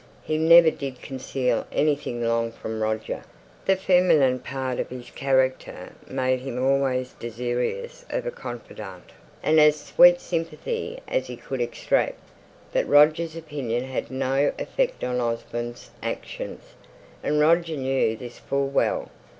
He never did conceal anything long from Roger; the feminine part of his character made him always desirous of a confidant, and as sweet sympathy as he could extract. But Roger's opinion had no effect on Osborne's actions; and Roger knew this full well.